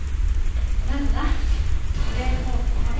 まずはこれとこれ。